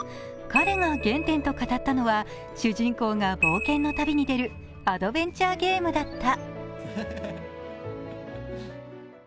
彼が原点と語ったのは主人公が冒険の旅に出るアドベンチャーゲームだった。